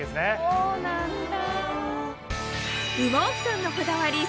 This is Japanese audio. そうなんだ。